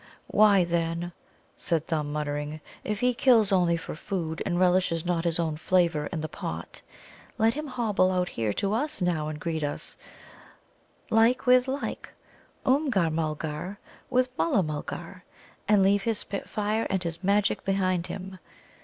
"Why, then," said Thumb, muttering, "if he kills only for food, and relishes not his own flavour in the pot, let him hobble out here to us now and greet us, like with like Oomgar mulgar with Mulla mulgar and leave his spit fire and his magic behind him.